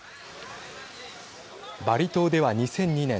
バリ島では２００２年